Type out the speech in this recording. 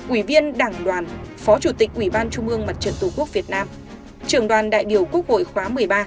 ủy viên đảng đoàn phó chủ tịch ủy ban trung ương mặt trận tổ quốc việt nam trưởng đoàn đại biểu quốc hội khóa một mươi ba